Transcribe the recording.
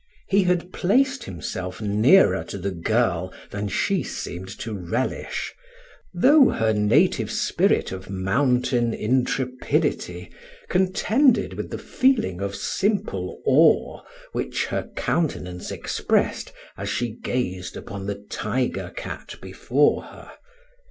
He had placed himself nearer to the girl than she seemed to relish, though her native spirit of mountain intrepidity contended with the feeling of simple awe which her countenance expressed as she gazed upon the tiger cat before her.